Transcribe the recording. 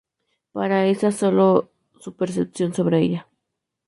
Pero esa es solo su percepción sobre ella".